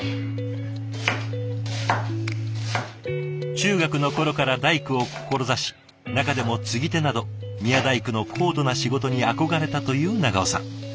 中学の頃から大工を志し中でも継ぎ手など宮大工の高度な仕事に憧れたという長尾さん。